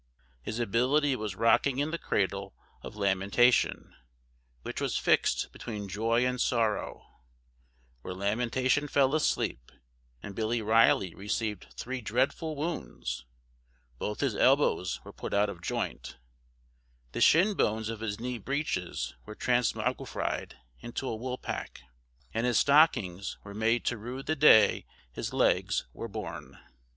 His ability was rocking in the cradle of Lamentation, which was fixed between joy and sorrow, where Lamentation fell asleep, and Billy Riley received three dreadful wounds both his elbows were put out of joint, the shin bones of his knee breeches were transmogrified into a woolpack, and his stockings were made to rue the day his legs were born.